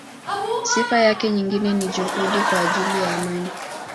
Sifa yake nyingine ni juhudi kwa ajili ya amani.